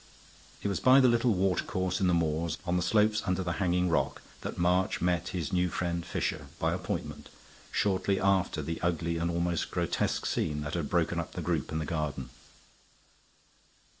It was by the little watercourse in the moors, on the slope under the hanging rock, that March met his new friend Fisher, by appointment, shortly after the ugly and almost grotesque scene that had broken up the group in the garden.